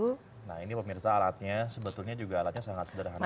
nah ini pemirsa alatnya sebetulnya juga alatnya sangat sederhana